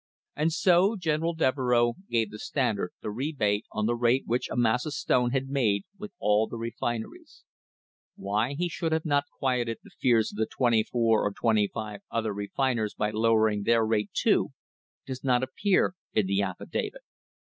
And so General Devereux gave the Standard the rebate on the rate which Amasa Stone had made with all the refiners. Why he should not have quieted the fears of the twenty four or twenty five other refiners by lowering their rate, too, does not appear in the affidavit.